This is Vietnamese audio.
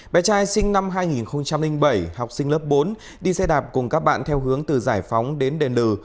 bé trai sinh năm hai nghìn bảy học sinh lớp bốn đi xe đạp cùng các bạn theo hướng từ giải phóng đến đền lừ